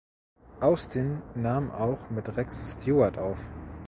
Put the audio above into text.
Austin nahm auch mit Rex Stewart auf.